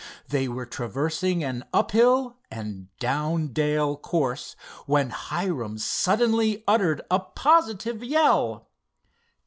They were traversing an uphill and down dale course, when Hiram suddenly uttered a positive yell.